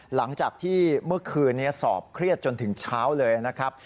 หลังจากที่เมื่อคืนนี้สอบเครียดจนถึงเช้าเลยนะครับ